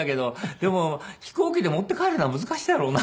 でも飛行機で持って帰るのは難しいだろうな。